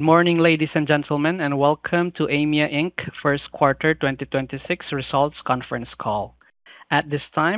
Good morning, ladies and gentlemen, and welcome to Aimia Inc. first quarter 2026 results conference call. This call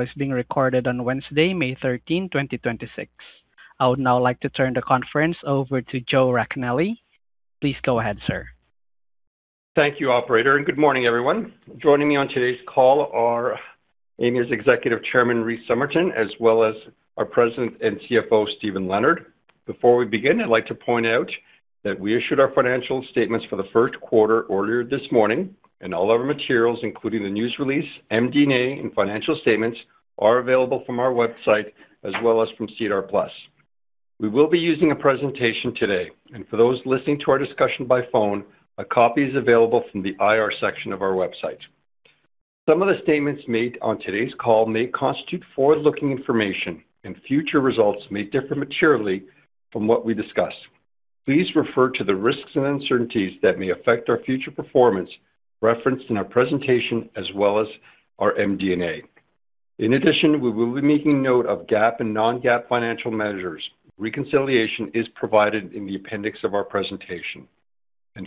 is being recorded on Wednesday, May 13, 2026. I would now like to turn the conference over to Joe Racanelli. Please go ahead, sir. Thank you, operator, and good morning, everyone. Joining me on today's call are Aimia's Executive Chairman, Rhys Summerton, as well as our President and CFO, Steven Leonard. Before we begin, I'd like to point out that we issued our financial statements for the first quarter earlier this morning, and all of our materials, including the news release, MD&A, and financial statements, are available from our website as well as from SEDAR+. We will be using a presentation today, and for those listening to our discussion by phone, a copy is available from the IR section of our website. Some of the statements made on today's call may constitute forward-looking information and future results may differ materially from what we discuss. Please refer to the risks and uncertainties that may affect our future performance referenced in our presentation as well as our MD&A. In addition, we will be making note of GAAP and non-GAAP financial measures. Reconciliation is provided in the appendix of our presentation.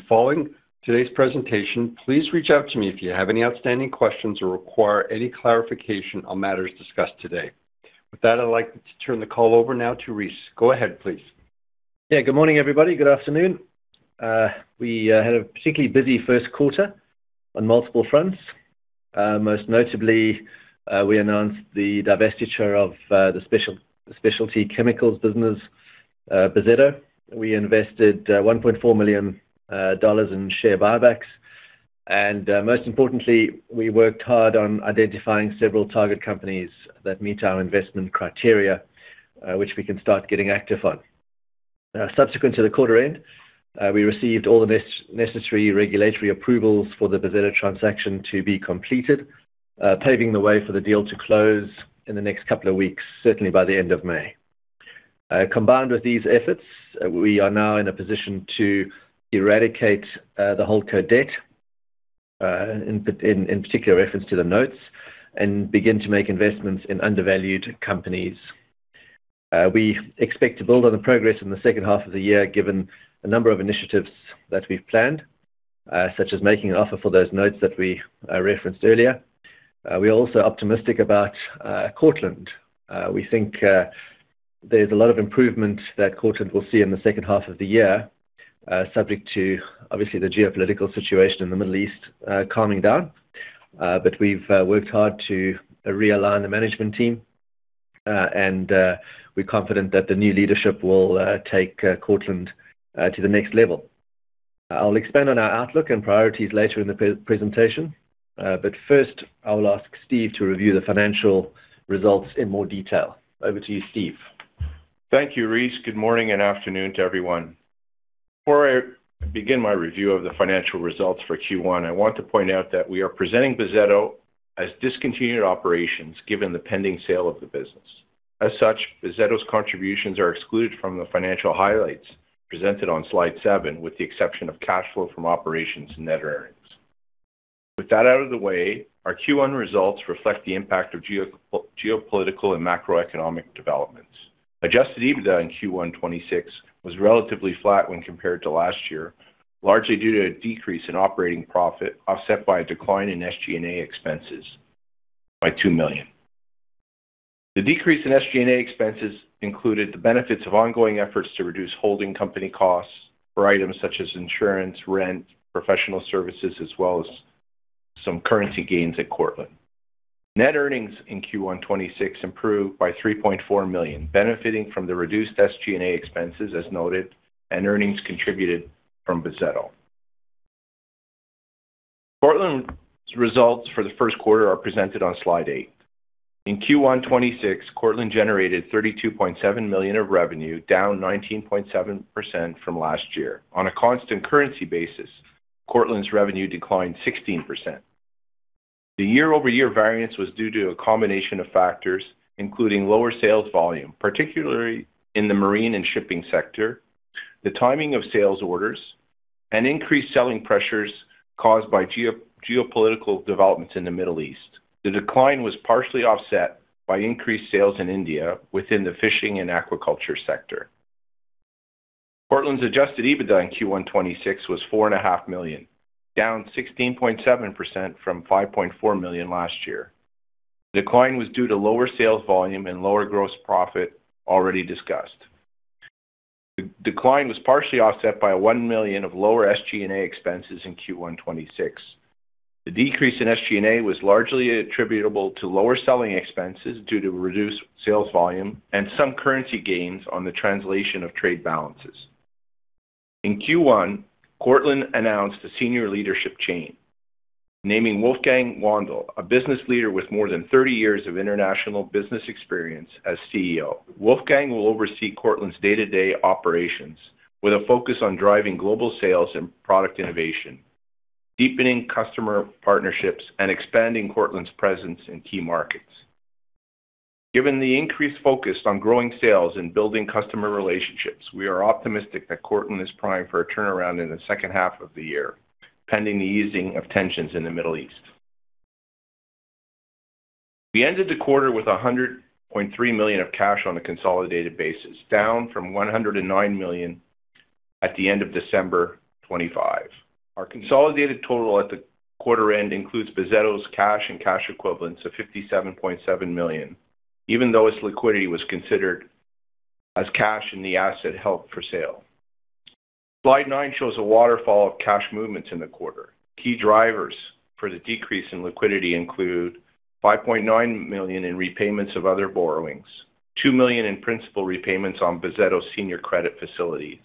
Following today's presentation, please reach out to me if you have any outstanding questions or require any clarification on matters discussed today. With that, I'd like to turn the call over now to Rhys. Go ahead, please. Good morning, everybody. Good afternoon. We had a particularly busy first quarter on multiple fronts. Most notably, we announced the divestiture of the specialty chemicals business, Bozzetto. We invested 1.4 million dollars in share buybacks. Most importantly, we worked hard on identifying several target companies that meet our investment criteria, which we can start getting active on. Subsequent to the quarter end, we received all the necessary regulatory approvals for the Bozzetto transaction to be completed, paving the way for the deal to close in the next couple of weeks, certainly by the end of May. Combined with these efforts, we are now in a position to eradicate the Holdco debt, in particular reference to the notes, and begin to make investments in undervalued companies. We expect to build on the progress in the second half of the year given a number of initiatives that we've planned, such as making an offer for those notes that we referenced earlier. We are also optimistic about Cortland. We think there's a lot of improvement that Cortland will see in the second half of the year, subject to obviously the geopolitical situation in the Middle East calming down. We've worked hard to realign the management team, and we're confident that the new leadership will take Cortland to the next level. I'll expand on our outlook and priorities later in the pre-presentation. First, I will ask Steve to review the financial results in more detail. Over to you, Steve. Thank you, Rhys. Good morning and afternoon to everyone. Before I begin my review of the financial results for Q1, I want to point out that we are presenting Bozzetto as discontinued operations given the pending sale of the business. As such, Bozzetto's contributions are excluded from the financial highlights presented on slide seven with the exception of cash flow from operations and net earnings. With that out of the way, our Q1 results reflect the impact of geopolitical and macroeconomic developments. Adjusted EBITDA in Q1 2026 was relatively flat when compared to last year, largely due to a decrease in operating profit offset by a decline in SG&A expenses by 2 million. The decrease in SG&A expenses included the benefits of ongoing efforts to reduce holding company costs for items such as insurance, rent, professional services, as well as some currency gains at Cortland. Net earnings in Q1 2026 improved by 3.4 million, benefiting from the reduced SG&A expenses, as noted, and earnings contributed from Bozzetto. Cortland's results for the first quarter are presented on slide eight. In Q1 2026, Cortland generated 32.7 million of revenue, down 19.7% from last year. On a constant currency basis, Cortland's revenue declined 16%. The year-over-year variance was due to a combination of factors, including lower sales volume, particularly in the marine and shipping sector, the timing of sales orders, and increased selling pressures caused by geopolitical developments in the Middle East. The decline was partially offset by increased sales in India within the fishing and aquaculture sector. Cortland's adjusted EBITDA in Q1 2026 was 4.5 million, down 16.7% from 5.4 million last year. Decline was due to lower sales volume and lower gross profit already discussed. The decline was partially offset by 1 million of lower SG&A expenses in Q1 2026. The decrease in SG&A was largely attributable to lower selling expenses due to reduced sales volume and some currency gains on the translation of trade balances. In Q1, Cortland announced a senior leadership change, naming Wolfgang Wandl, a business leader with more than 30 years of international business experience as CEO. Wolfgang will oversee Cortland's day-to-day operations with a focus on driving global sales and product innovation, deepening customer partnerships, and expanding Cortland's presence in key markets. Given the increased focus on growing sales and building customer relationships, we are optimistic that Cortland is primed for a turnaround in the second half of the year, pending the easing of tensions in the Middle East. We ended the quarter with 100.3 million of cash on a consolidated basis, down from 109 million at the end of December 2025. Our consolidated total at the quarter end includes Bozzetto's cash and cash equivalents of 57.7 million, even though its liquidity was considered as cash in the asset held for sale. Slide nine shows a waterfall of cash movements in the quarter. Key drivers for the decrease in liquidity include 5.9 million in repayments of other borrowings, 2 million in principal repayments on Bozzetto senior credit facilities,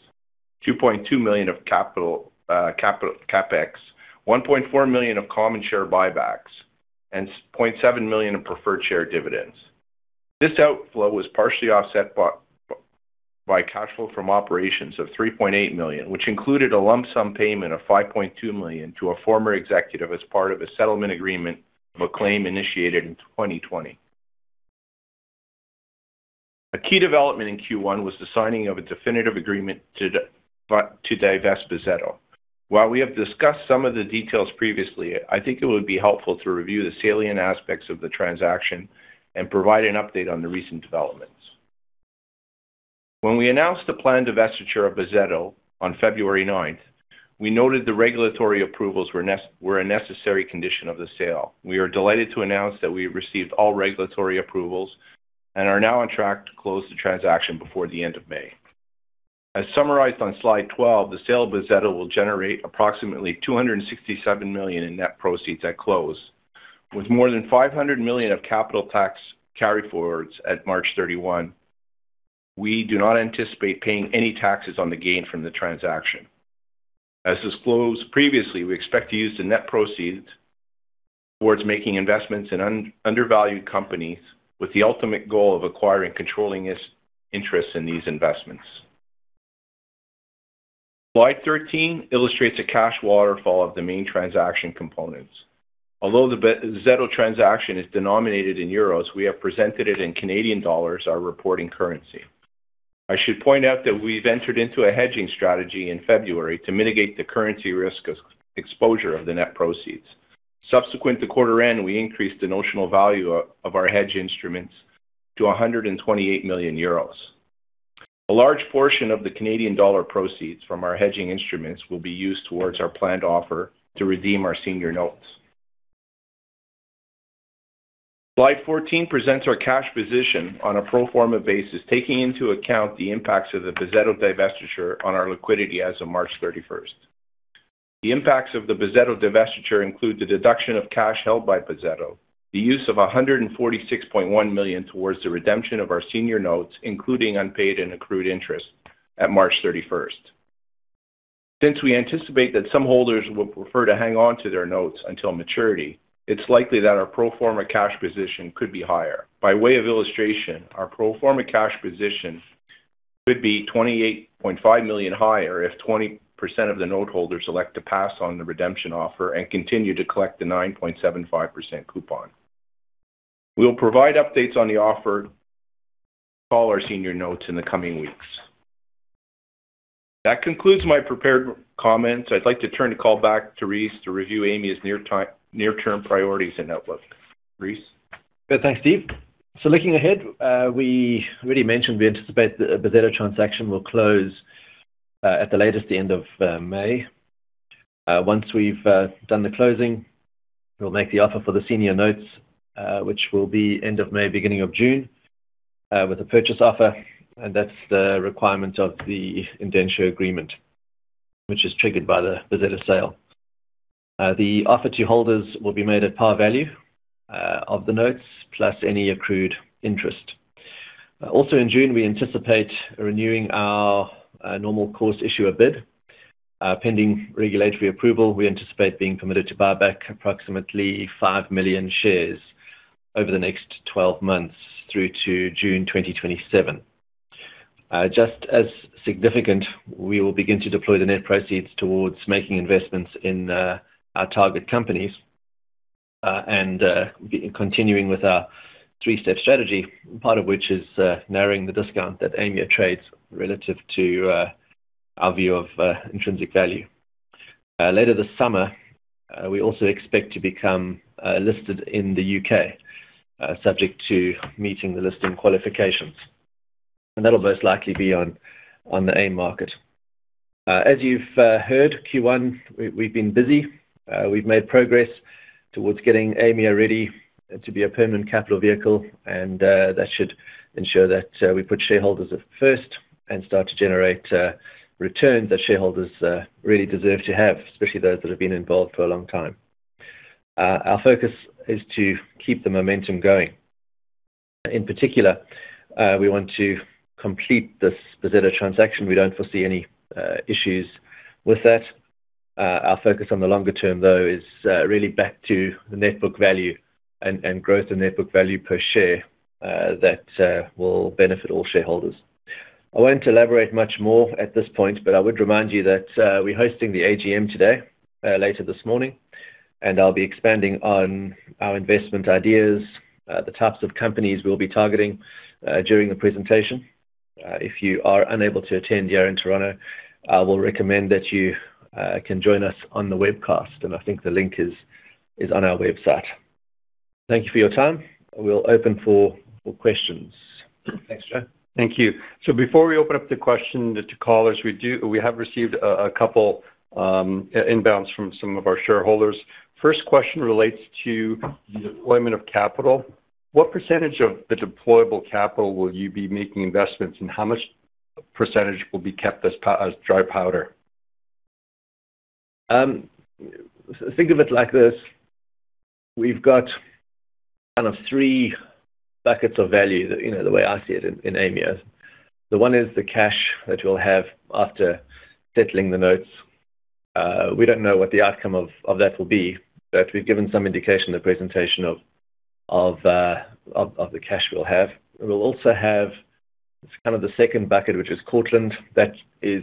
2.2 million of capital CapEx, 1.4 million of common share buybacks, and 0.7 million in preferred share dividends. This outflow was partially offset by cash flow from operations of 3.8 million, which included a lump sum payment of 5.2 million to a former executive as part of a settlement agreement of a claim initiated in 2020. A key development in Q1 was the signing of a definitive agreement to divest Bozzetto. While we have discussed some of the details previously, I think it would be helpful to review the salient aspects of the transaction and provide an update on the recent developments. When we announced the planned divestiture of Bozzetto on February 9, we noted the regulatory approvals were a necessary condition of the sale. We are delighted to announce that we have received all regulatory approvals and are now on track to close the transaction before the end of May. As summarized on slide 12, the sale of Bozzetto will generate approximately 267 million in net proceeds at close. With more than 500 million of capital tax carryforwards at March 31, we do not anticipate paying any taxes on the gain from the transaction. As disclosed previously, we expect to use the net proceeds towards making investments in undervalued companies with the ultimate goal of acquiring controlling interests in these investments. Slide 13 illustrates a cash waterfall of the main transaction components. Although the Bozzetto transaction is denominated in euros, we have presented it in Canadian dollars, our reporting currency. I should point out that we've entered into a hedging strategy in February to mitigate the currency risk exposure of the net proceeds. Subsequent to quarter end, we increased the notional value of our hedge instruments to 128 million euros. A large portion of the Canadian dollar proceeds from our hedging instruments will be used towards our planned offer to redeem our senior notes. Slide 14 presents our cash position on a pro forma basis, taking into account the impacts of the Bozzetto divestiture on our liquidity as of March 31st. The impacts of the Bozzetto divestiture include the deduction of cash held by Bozzetto, the use of 146.1 million towards the redemption of our senior notes, including unpaid and accrued interest at March 31st. Since we anticipate that some holders will prefer to hang on to their notes until maturity, it's likely that our pro forma cash position could be higher. By way of illustration, our pro forma cash position could be 28.5 million higher if 20% of the noteholders elect to pass on the redemption offer and continue to collect the 9.75% coupon. We will provide updates on the offer to call our senior notes in the coming weeks. That concludes my prepared comments. I'd like to turn the call back to Rhys to review Aimia's near-term priorities and outlook. Rhys? Thanks, Steve. Looking ahead, we already mentioned we anticipate the Bozzetto transaction will close at the latest the end of May. Once we've done the closing, we'll make the offer for the senior notes, which will be end of May, beginning of June, with a purchase offer, and that's the requirement of the indenture agreement, which is triggered by the Bozzetto sale. The offer to holders will be made at par value of the notes, plus any accrued interest. Also in June, we anticipate renewing our normal course issuer bid. Pending regulatory approval, we anticipate being permitted to buy back approximately 5 million shares over the next 12 months through to June 2027. Just as significant, we will begin to deploy the net proceeds towards making investments in our target companies and continuing with our three-step strategy, part of which is narrowing the discount that Aimia trades relative to our view of intrinsic value. Later this summer, we also expect to become listed in the U.K., subject to meeting the listing qualifications, and that'll most likely be on the AIM market. As you've heard, Q1, we've been busy. We've made progress towards getting Aimia ready to be a permanent capital vehicle, and that should ensure that we put shareholders at first and start to generate returns that shareholders really deserve to have, especially those that have been involved for a long time. Our focus is to keep the momentum going. In particular, we want to complete this Bozzetto transaction. We don't foresee any issues with that. Our focus on the longer term, though, is really back to the net book value and growth in net book value per share that will benefit all shareholders. I won't elaborate much more at this point, but I would remind you that we're hosting the AGM today later this morning, and I'll be expanding on our investment ideas, the types of companies we'll be targeting during the presentation. If you are unable to attend here in Toronto, I will recommend that you can join us on the webcast, and I think the link is on our website. Thank you for your time. We'll open for questions. Thanks, Joe. Thank you. Before we open up the question to callers, we have received a couple inbounds from some of our shareholders. First question relates to the deployment of capital. What percentage of the deployable capital will you be making investments, and how much percentage will be kept as dry powder? Think of it like this. We've got kind of three buckets of value, you know, the way I see it in Aimia. The one is the cash that we'll have after settling the notes. We don't know what the outcome of that will be, but we've given some indication in the presentation of the cash we'll have. We'll also have kind of the second bucket, which is Cortland. That is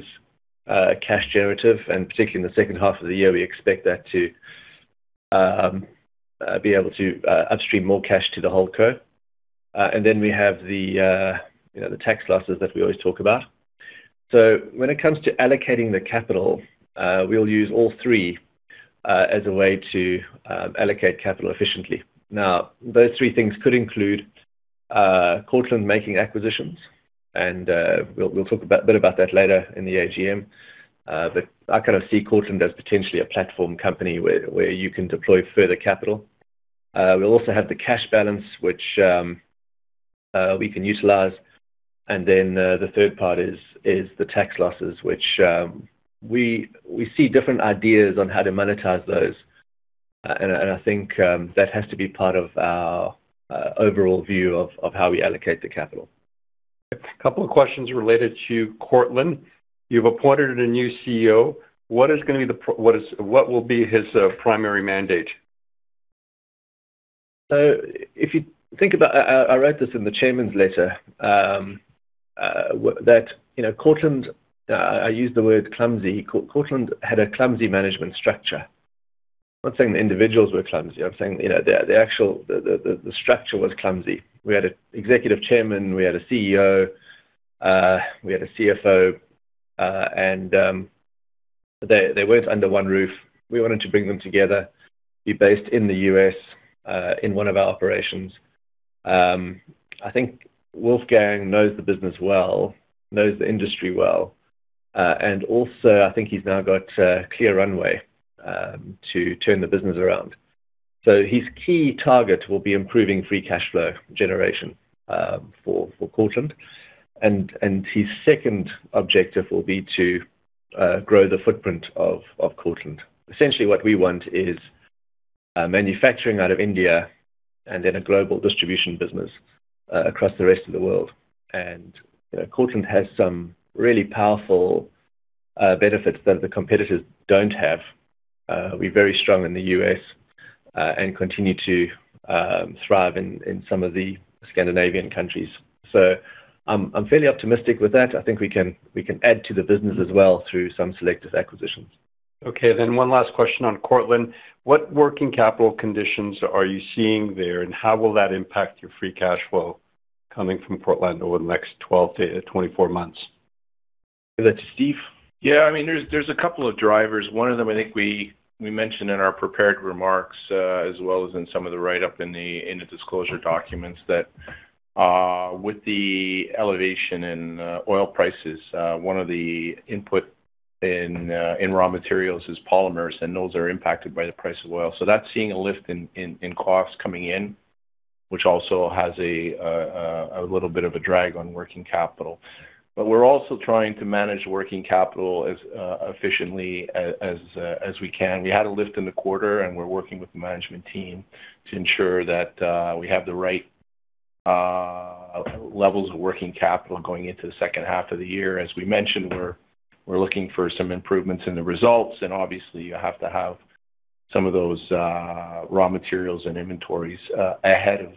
cash generative, and particularly in the second half of the year, we expect that to be able to upstream more cash to the Holdco. We have the, you know, the tax losses that we always talk about. When it comes to allocating the capital, we'll use all three as a way to allocate capital efficiently. Those three things could include Cortland making acquisitions, and we'll talk about a bit about that later in the AGM. I kind of see Cortland as potentially a platform company where you can deploy further capital. We'll also have the cash balance, which we can utilize. The third part is the tax losses, which we see different ideas on how to monetize those, and I think that has to be part of our overall view of how we allocate the capital. A couple of questions related to Cortland. You've appointed a new CEO. What will be his primary mandate? If you think about I wrote this in the chairman's letter, that, you know, Cortland, I use the word clumsy. Cortland had a clumsy management structure. I'm not saying the individuals were clumsy. I'm saying, you know, the actual structure was clumsy. We had a Executive Chairman, we had a CEO, we had a CFO, and they weren't under one roof. We wanted to bring them together, be based in the U.S., in one of our operations. I think Wolfgang knows the business well, knows the industry well, and also I think he's now got a clear runway to turn the business around. His key target will be improving free cash flow generation for Cortland. His second objective will be to grow the footprint of Cortland. Essentially, what we want is manufacturing out of India and then a global distribution business across the rest of the world. You know, Cortland has some really powerful benefits that the competitors don't have. We're very strong in the U.S. and continue to thrive in some of the Scandinavian countries. I'm fairly optimistic with that. I think we can add to the business as well through some selective acquisitions. Okay, one last question on Cortland. What working capital conditions are you seeing there, and how will that impact your free cash flow coming from Cortland over the next 12-24 months? Give that to Steve. Yeah. I mean, there's a couple of drivers. One of them, I think we mentioned in our prepared remarks, as well as in some of the write-up in the, in the disclosure documents that, with the elevation in oil prices, one of the input in raw materials is polymers, and those are impacted by the price of oil. That's seeing a lift in costs coming in, which also has a little bit of a drag on working capital. We're also trying to manage working capital as efficiently as we can. We had a lift in the quarter, we're working with the management team to ensure that we have the right levels of working capital going into the second half of the year. As we mentioned, we're looking for some improvements in the results, and obviously you have to have some of those raw materials and inventories ahead of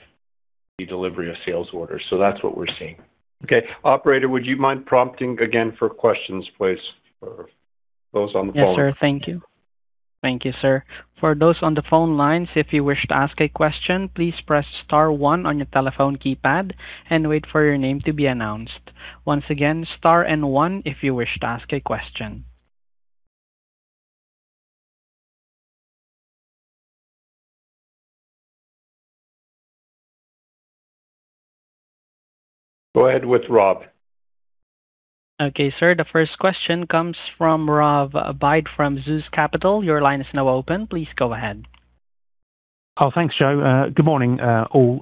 the delivery of sales orders. That's what we're seeing. Okay. Operator, would you mind prompting again for questions, please, for those on the phone? Yes, sir. Thank you. Thank you, sir. For those on the phone lines, if you wish to ask a question, please press star one on your telephone keypad and wait for your name to be announced. Once again, star and one if you wish to ask a question. Go ahead with Rob. Okay, sir. The first question comes from Rob Byde from Zeus Capital. Your line is now open. Please go ahead. Thanks, Joe. Good morning, all.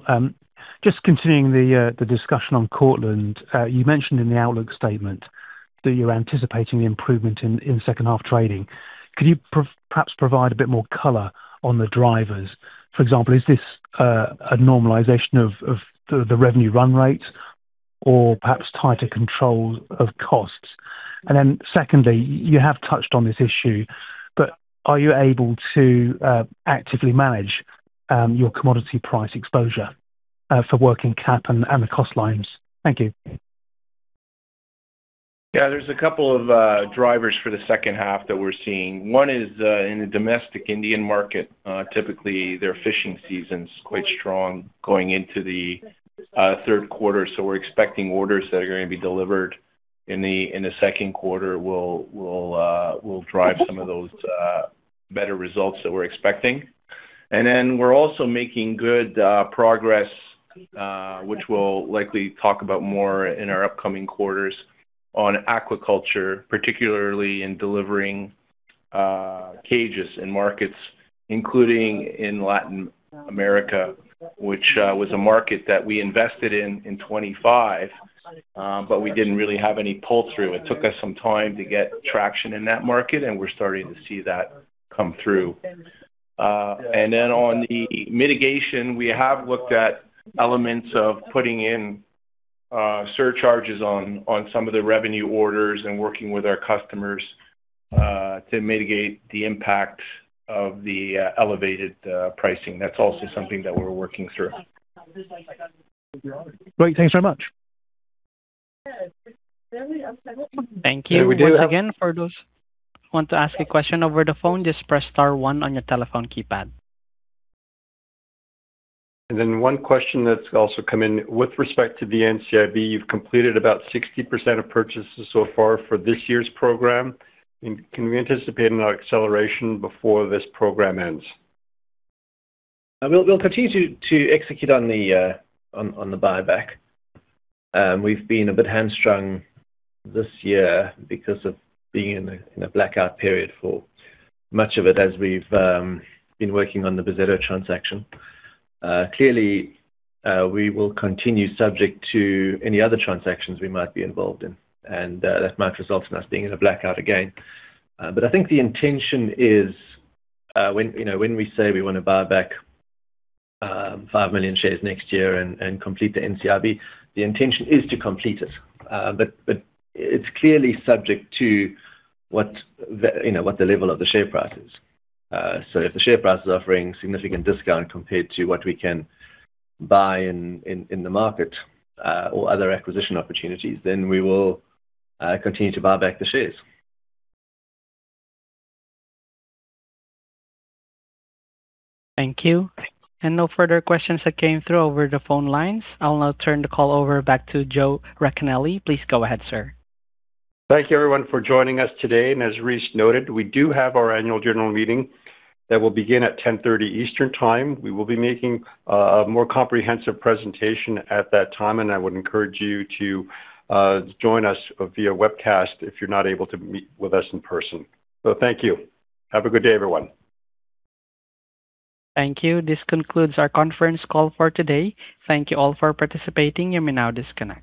Just continuing the discussion on Cortland. You mentioned in the outlook statement that you're anticipating improvement in second half trading. Could you perhaps provide a bit more color on the drivers? For example, is this a normalization of the revenue run rate or perhaps tighter control of cost? Secondly, you have touched on this issue, but are you able to actively manage your commodity price exposure for working cap and the cost lines? Thank you. Yeah, there's a couple of drivers for the second half that we're seeing. One is in the domestic Indian market, typically, their fishing season's quite strong going into the third quarter, so we're expecting orders that are gonna be delivered in the second quarter will drive some of those better results that we're expecting. We're also making good progress, which we'll likely talk about more in our upcoming quarters on aquaculture, particularly in delivering cages in markets, including in Latin America, which was a market that we invested in in 25, but we didn't really have any pull-through. It took us some time to get traction in that market, and we're starting to see that come through. On the mitigation, we have looked at elements of putting in surcharges on some of the revenue orders and working with our customers to mitigate the impact of the elevated pricing. That's also something that we're working through. Great. Thanks so much. Thank you. There we go. Once again, for those who want to ask a question over the phone, just press star one on your telephone keypad. One question that's also come in. With respect to the NCIB, you've completed about 60% of purchases so far for this year's program. Can we anticipate an acceleration before this program ends? We'll continue to execute on the buyback. We've been a bit hamstrung this year because of being in a blackout period for much of it as we've been working on the Bozzetto transaction. Clearly, we will continue subject to any other transactions we might be involved in. That might result in us being in a blackout again. I think the intention is, when, you know, when we say we wanna buy back 5 million shares next year and complete the NCIB, the intention is to complete it. It's clearly subject to what the, you know, what the level of the share price is. If the share price is offering significant discount compared to what we can buy in the market, or other acquisition opportunities, then we will continue to buy back the shares. Thank you. No further questions that came through over the phone lines. I'll now turn the call over back to Joe Racanelli. Please go ahead, sir. Thank you, everyone, for joining us today. As Rhys noted, we do have our annual general meeting that will begin at 10:30 A.M. Eastern Time. We will be making a more comprehensive presentation at that time. I would encourage you to join us via webcast if you're not able to meet with us in person. Thank you. Have a good day, everyone. Thank you. This concludes our conference call for today. Thank you all for participating. You may now disconnect.